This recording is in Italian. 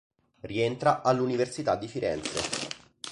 Rientra all'Università di Firenze.